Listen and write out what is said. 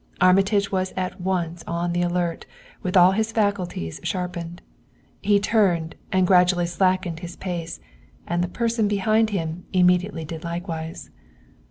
Armitage was at once on the alert with all his faculties sharpened. He turned and gradually slackened his pace, and the person behind him immediately did likewise.